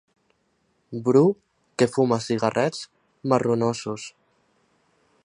Bru que fuma cigarrets marronosos.